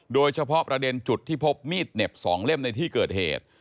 โดยเฉพาะประเด็นจุดที่พบมีดเหน็บ๒เล่มในที่เกิดเหตุ